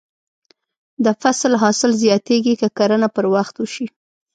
د فصل حاصل زیاتېږي که کرنه پر وخت وشي.